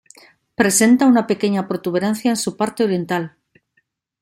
Presenta una pequeña protuberancia en su parte oriental.